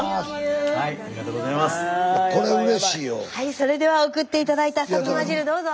それでは送って頂いたさつま汁どうぞ！